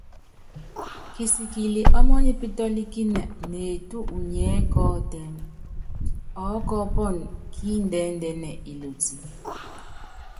Kisikili ɔmɔ́nipítɔ́líkíni neetú unyiɛ́ kɔ́ɔtɛ́m, ɔɔ́kɔɔ́pɔnɔ kíndɛ́nɛ ilotí.